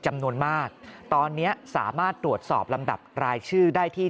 จำนวนมากตอนนี้สามารถตรวจสอบลำดับรายชื่อได้ที่